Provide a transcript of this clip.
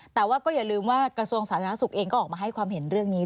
แต่ว่าก็อย่าลืมว่ากระทรวงสาธารณสุขเองก็ออกมาให้ความเห็นเรื่องนี้